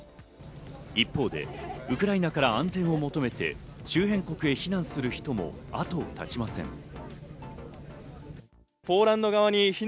一方でウクライナから安全を求めて周辺国へ避難する人も後を絶ちません。